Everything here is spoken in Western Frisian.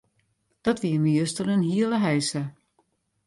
Dat wie my juster in hiele heisa.